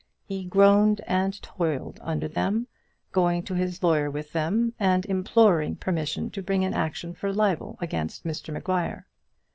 He groaned and toiled under them, going to his lawyer with them, and imploring permission to bring an action for libel against Mr Maguire.